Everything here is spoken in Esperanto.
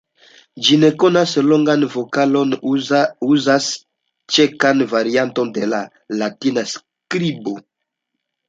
Ĝi ne konas longajn vokalojn, uzas ĉeĥan varianton de la latina skribo.